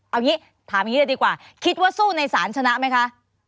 เอางี้ถามอย่างนี้เลยดีกว่าคิดว่าสู้ในศาลชนะไหมคะ